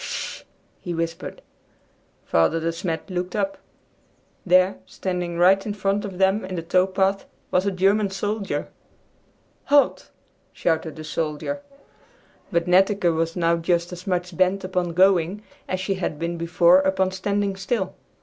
"Hush!" he whispered. Father De Smet looked up. There, standing right in front of them in the tow path, was a German soldier! "Halt!" shouted the soldier. But Netteke was now just as much bent upon going as she had been before upon standing still.